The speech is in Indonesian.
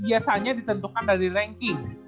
biasanya ditentukan dari ranking